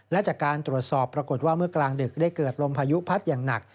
และจากการตรวจสอบปรากฏว่าเมื่อกลางดึกได้เกิดลมพายุพัดอย่างหนัก